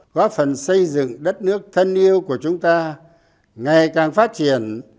góp phần xây dựng đất nước thân yêu của chúng ta ngày càng phát triển